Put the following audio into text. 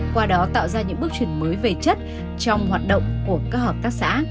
qua đó tạo ra những bước chuyển mới về chất trong hoạt động của các hợp tác xã